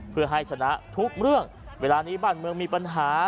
เพื่อให้ชนะทุกเรื่องเวลานี้บ้านเมืองมีปัญหา